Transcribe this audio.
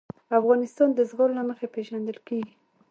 افغانستان د زغال له مخې پېژندل کېږي.